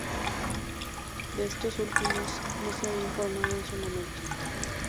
De estos últimos no se había informado en su momento.